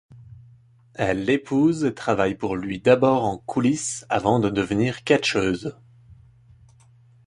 Elle l'épouse et travaille pour lui d'abord en coulisses avant de devenir catcheuse.